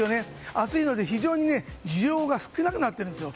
暑いので非常に需要が少なくなっているんですよ。